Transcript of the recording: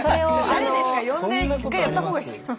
誰ですか呼んで一回やった方がいいですよ。